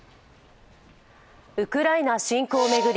ウクライナ侵攻を巡り